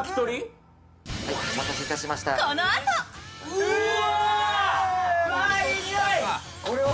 うわ！